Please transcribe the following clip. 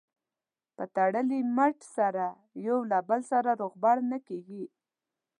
په تړلي مټ سره یو له بل سره روغبړ نه کېږي.